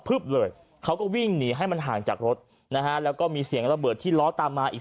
เลยเขาก็วิ่งหนีให้มันห่างจากรถนะฮะแล้วก็มีเสียงระเบิดที่ล้อตามมาอีก